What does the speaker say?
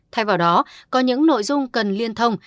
thay vào đó có những nội dung cần liên thông